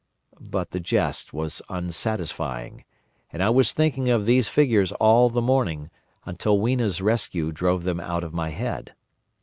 But the jest was unsatisfying, and I was thinking of these figures all the morning, until Weena's rescue drove them out of my head.